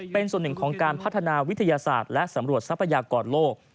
เป็นส่วนหนึ่งของการพัฒนาวิทยาศาสตร์และสำรวจทรัพยากรโลก